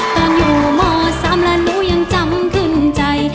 ตอนอยู่ม๓แล้วหนูยังจำขึ้นใจ